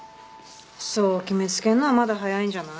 そう決めつけるのはまだ早いんじゃない？